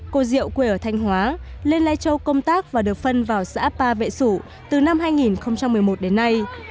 cô diệu quê ở thanh hóa lên lai châu công tác và được phân vào xã pa vệ sủ từ năm hai nghìn một mươi một đến nay